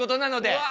うわ！